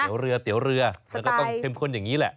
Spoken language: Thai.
เดี๋ยวเรือเตี๋ยวเรือแล้วก็ต้องเข้มข้นอย่างนี้แหละ